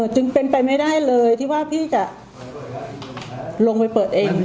จึงเป็นไปไม่ได้เลยที่ว่าพี่จะลงไปเปิดเอง